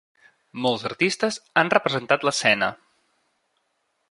Molts artistes han representat l'escena.